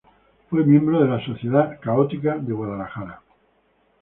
Fue miembro de la Sociedad Católica de Guadalajara.